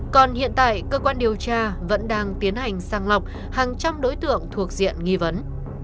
còn hiện tại cơ quan điều tra vẫn đang tiến hành sang lọc hàng trăm đối tượng thuộc diện nghi vấn